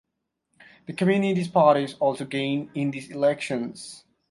The Communist parties also gained in these elections.